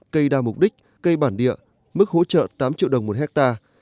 cây đa mục đích cây bản địa mức hỗ trợ tám triệu đồng một hectare